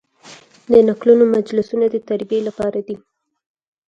د نکلونو مجلسونه د تربیې لپاره دي.